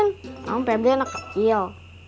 namun pebi anak kecil